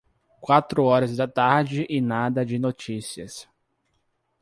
Quatro horas da tarde e nada de notícias.